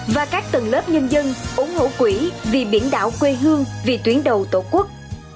và các tầng lớp nhân dân ủng hộ quỹ vì biển đảo quê hương vì tuyến đầu tổ quốc